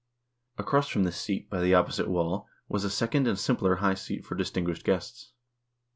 Across from this seat, by the opposite wall, was a second and simpler high seat for distinguished guests.